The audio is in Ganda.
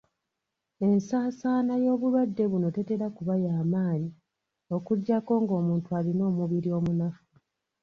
Ensaasaana y'obulwadde buno tetera kuba y'amaanyi okuggyako ng'omuntu alina omubiri omunafu